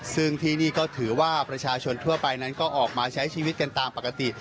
ซึ่งที่นี่ก็ถือว่าประชาชนทั่วไปนั้นก็ออกมาใช้ชีวิตกันตามปกติ